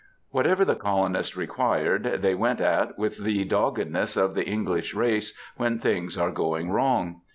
Whatever the colonists required they went at with the doggedness of the English race when things are going wrong.